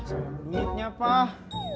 ya sebut niatnya pak